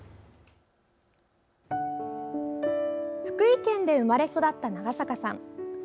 福井県で生まれ育った長坂さん。